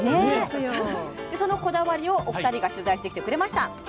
そのこだわりをお二人が取材してくれました。